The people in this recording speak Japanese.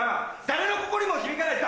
誰の心にも響かない！